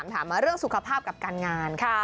ถามมาเรื่องสุขภาพกับการงานค่ะ